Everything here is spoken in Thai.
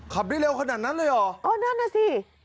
ขับได้เร็วขนาดนั้นเลยเหรออ๋อนั่นน่ะสิ